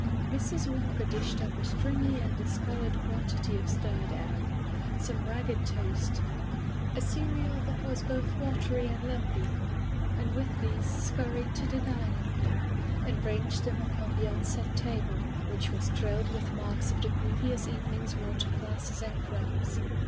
Mrs. Walker dished up a stringy and discolored quantity of stirred egg, some ragged toast, a cereal that was both watery and lumpy, and with these scur ried to the dining room, and ranged them upon the unset table, which was trailed with marks of the previous evening^s water glasses and crumbs.